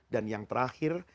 dan yang terakhir